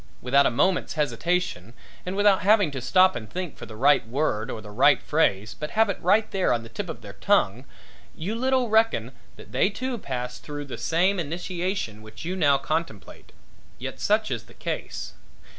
without a moment's hesitation and without having to stop and think for the right word or the right phrase but have it right there on the tip of the tongue you little reck that they too passed through the same initiation which you now contemplate. Yet such is the case.